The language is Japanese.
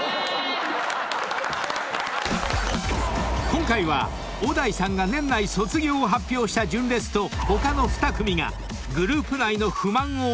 ［今回は小田井さんが年内卒業を発表した純烈と他の２組がグループ内の不満をお互いにぶちまける］